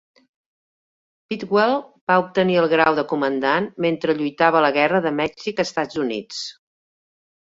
Bidwell va obtenir el grau de comandant mentre lluitava a la Guerra de Mèxic-Estats Units.